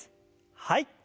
はい。